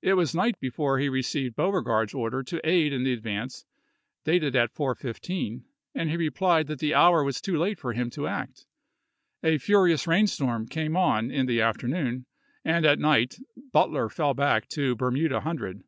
It was night be fore he received Beauregard's order to aid in the advance, dated at 4 : 15, and he replied that the hour Mayi6,i864. was too late for him to act. A furious rainstorm came on in the afternoon, and during the night Butler fell back to Bermuda Hundred.